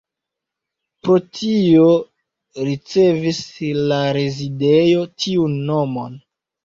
Pro tio ricevis la rezidejo tiun nomon.